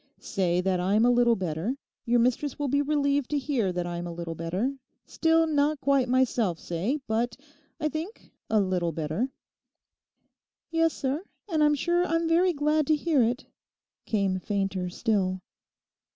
'Say that I'm a little better; your mistress will be relieved to hear that I'm a little better; still not quite myself say, but, I think, a little better.' 'Yes, sir; and I'm sure I'm very glad to hear it,' came fainter still.